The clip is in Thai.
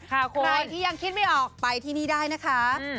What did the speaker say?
ใครที่ยังคิดไม่ออกไปที่นี่ได้นะคะ